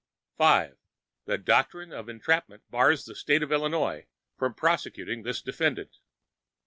(5) The Doctrine of Entrapment bars the State of Illinois from prosecuting this defendant.